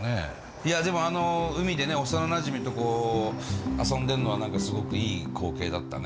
いやでもあの海でね幼なじみと遊んでんのは何かすごくいい光景だったね。